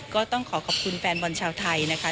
ก็ต้องขอขอบคุณแฟนบอลชาวไทยนะคะ